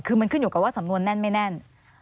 คือมันขึ้นอยู่กับว่าสำนวนแน่นไม่แน่น